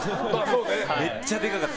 めっちゃでかかった。